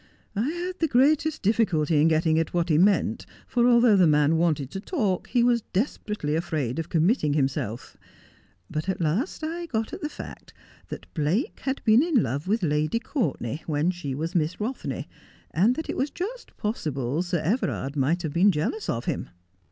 I had the greatest difficulty in getting at what he meant, for although the man wanted to talk he was desperately afraid of committing himself ; but at last I got at tlie fact that Blake had been in love with Lady Courtenay, when she was Miss Rothney, and that it was just possible Sir Everard might have been jealous of him.